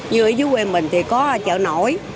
như ở dưới quê mình thì có chợ nổi